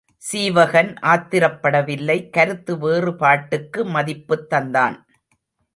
சீவகன் ஆத்திரப்படவில்லை கருத்து வேறு பாட்டுக்கு மதிப்புத் தந்தான்.